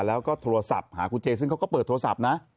แล้วก็โทรศัพท์หาคุณเจซึ่งเขาก็เปิดโทรศัพท์นะ